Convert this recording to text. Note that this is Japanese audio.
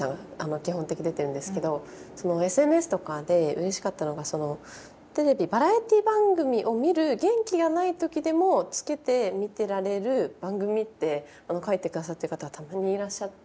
基本的に出ているんですけどＳＮＳとかでうれしかったのがテレビ「バラエティ番組を見る元気がない時でもつけて見てられる番組」って書いて下さってる方がたまにいらっしゃって。